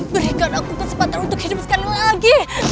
berikan aku kesempatan untuk hidup sekali lagi